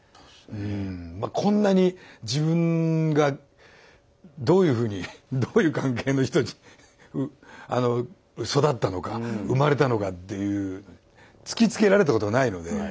こんなに自分がどういうふうにどういう関係の人に育ったのか生まれたのかっていう突きつけられたことがないので。